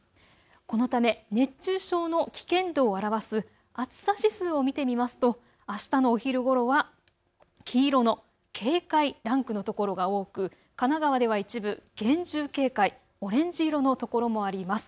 このため熱中症の危険度を表す暑さ指数を見てみますとあしたのお昼ごろは黄色の警戒ランクの所が多く神奈川では一部厳重警戒、オレンジ色のところもあります。